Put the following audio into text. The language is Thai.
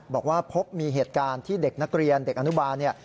บอกว่าพบมีเหตุการณ์ที่เด็กนักเรียนเด็กอนุบาลเนี่ย